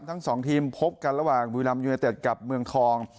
ทั้งสองทีมพบกันระหว่างบุรีรัมยูเนเต็ดกับเมืองทอง